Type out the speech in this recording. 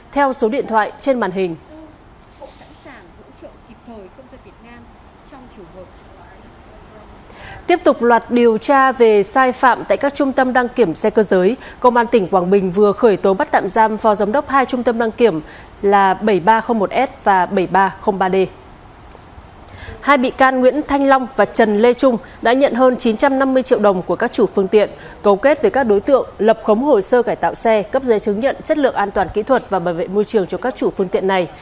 trần lê trung đã nhận hơn chín trăm năm mươi triệu đồng của các chủ phương tiện cầu kết về các đối tượng lập khống hồ sơ cải tạo xe cấp dây chứng nhận chất lượng an toàn kỹ thuật và bảo vệ môi trường cho các chủ phương tiện này